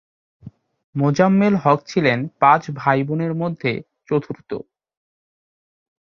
মোজাম্মেল হক ছিলেন পাঁচ ভাই-বোনের মধ্যে চতুর্থ।